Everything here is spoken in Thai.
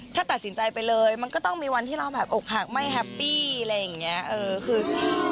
ถ้าตัดสินใจไปเลยมันก็ต้องมีวันที่เราแบบอกหักไม่แฮปปี้อะไรอย่างนี้